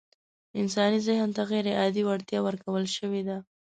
انساني ذهن ته غيرعادي وړتيا ورکول شوې ده.